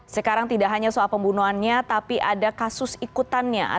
sekarang tidak hanya soal pembunuhannya tapi ada kasus ikutannya